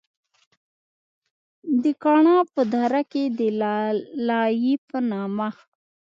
د کاڼا پۀ دره کښې د “دلائي” پۀ نامه